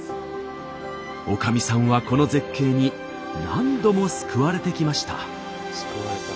おかみさんはこの絶景に何度も救われてきました。